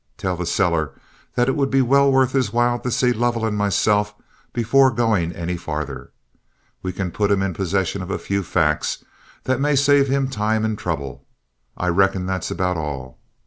Tell the seller that it would be well worth his while to see Lovell and myself before going any farther. We can put him in possession of a few facts that may save him time and trouble. I reckon that's about all.